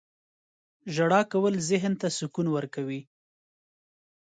• ژړا کول ذهن ته سکون ورکوي.